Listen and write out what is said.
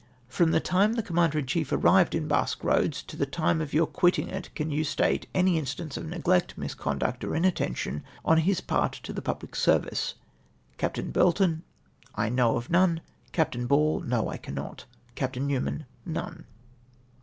— "From the time the Commander in chief arrived in Basque Eoads to the time of your quitting it, can 3^ou state any instance of neglect, misconduct, or inattention on his part to the public service ?" Capt. Burlton. —" I know of none." Capt. Ball. —" No ; I cannot." • Capt. Newman. —" None."